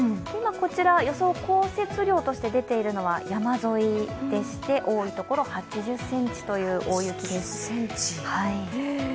今、こちら、予想降雪量として出ているのは山沿いでして多いところでは８０ｃｍという大雪です。